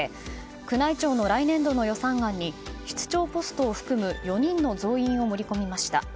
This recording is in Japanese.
宮内庁の来年度の予算案に室長ポストを含む４人の増員を盛り込みました。